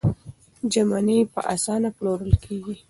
ژمنې په اسانه پلورل کېږي.